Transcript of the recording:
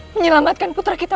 menyelamatkan putra kita